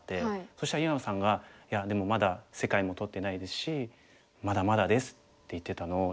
そしたら井山さんが「いやでもまだ世界も取ってないですしまだまだです」って言ってたのを今すごい思い出して。